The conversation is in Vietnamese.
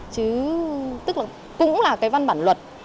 chứ tức là cũng là cái văn bản luật